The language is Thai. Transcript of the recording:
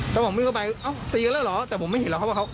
แล้วผมวิ่งเข้าไปเอ้าตีกันแล้วเหรอแต่ผมไม่เห็นหรอกครับว่าเขา